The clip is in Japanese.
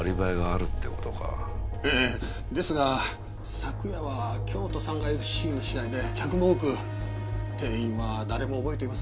ええですが昨夜は京都サンガＦ．Ｃ．の試合で客も多く店員は誰も覚えていませんでした。